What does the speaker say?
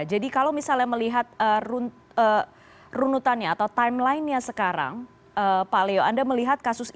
jadi kalau misalnya melihat runutannya atau timeline nya sekarang pak leo anda melihat kasus ini